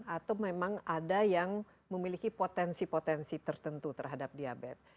atau memang ada yang memiliki potensi potensi tertentu terhadap diabetes